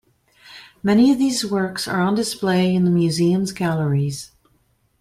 Many of these works are on display in the Museum's galleries.